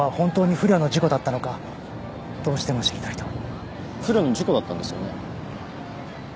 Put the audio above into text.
不慮の事故だったんですよね？